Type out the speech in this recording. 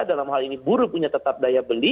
dalam hal ini buruh punya tetap daya beli